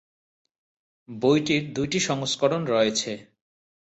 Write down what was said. বইটির দুইটি সংস্করণ রয়েছে।